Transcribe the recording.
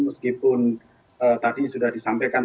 meskipun tadi sudah disampaikan